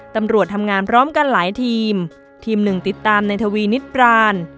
ตำรวจทำงานพร้อมกันหลายทีมทีมหนึ่งติดตามในทวีนิดปราน